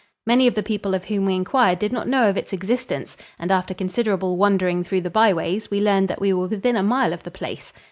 Many of the people of whom we inquired did not know of its existence, and after considerable wandering through the byways we learned that we were within a mile of the place.